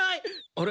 あれ？